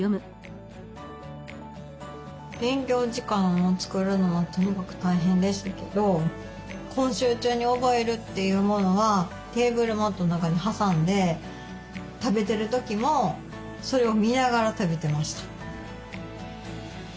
勉強時間を作るのはとにかく大変でしたけど今週中に覚えるというものはテーブルマットの中に挟んで食べてる時もそれを見ながら食べてました。